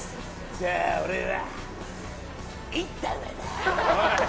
じゃあ、俺は１玉だ。